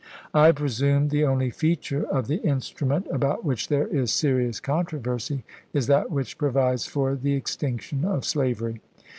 I presume the only feature of the iustrument about which there is serious controversy is that which provides for the extinction of slavery.